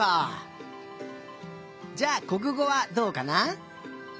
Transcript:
じゃあこくごはどうかな？